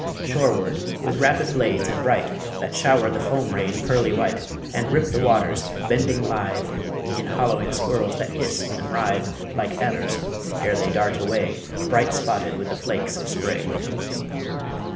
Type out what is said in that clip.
Shoreward, with rapid blades and bright, That shower the foam rain pearly white, And rip the waters, bending lithe, In hollowing swirls that hiss and writhe Like adders, ere they dart away Bright spotted with the flakes of spray.